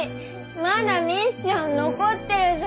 まだミッション残ってるぞ。